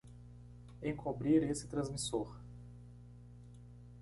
Encobrir esse transmissor!